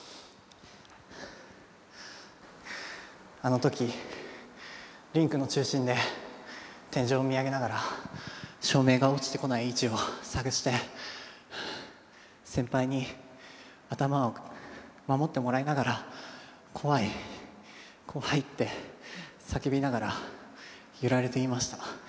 あの時リンクの中心で天井を見上げながら照明が落ちてこない位置を探して先輩に頭を守ってもらいながら「怖い怖い」って叫びながら揺られていました。